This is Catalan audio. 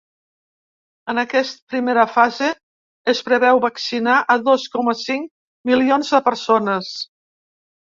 En aquest primera fase es preveu vaccinar a dos coma cinc milions de persones.